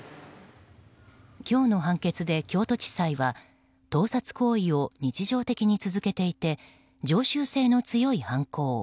今日の判決で、京都地裁は盗撮行為を日常的に続けていて常習性の強い犯行。